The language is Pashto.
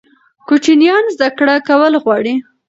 کوچنیان زده کړه کول غواړي.